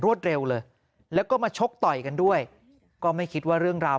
เร็วเลยแล้วก็มาชกต่อยกันด้วยก็ไม่คิดว่าเรื่องราว